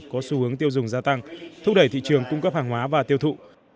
có xu hướng tiêu dùng gia tăng thúc đẩy thị trường cung cấp hàng hóa và tiêu thụ